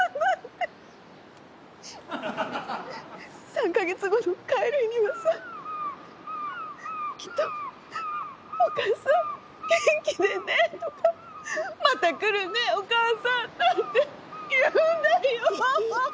３か月後の帰る日にはさきっと「お母さん元気でね」とか「また来るねお母さん」なんて言うんだよ！